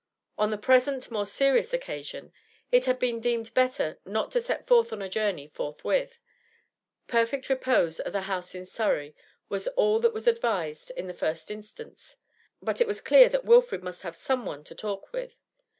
On the present more serious occasion, it had been deemed better not to set forth on a journey forthwith; perfect repose at the house in Surrey was all that was advised in the first instance. But it was clear that Wilfrid must have some one to talk with.